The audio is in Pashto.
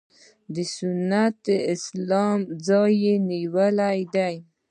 د سنتي اسلام ځای یې نیولی دی.